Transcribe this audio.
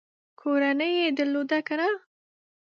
کورنۍ یې درلودله که نه ؟